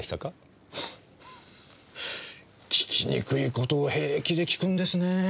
フフ訊きにくい事を平気で訊くんですねぇ。